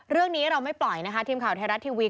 เรื่องนี้เราไม่ปล่อยนะคะทีมข่าวไทยรัฐทีวี